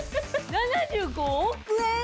７５億円！？